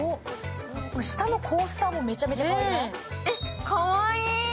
下のコースターもめちゃめちゃかわいくない？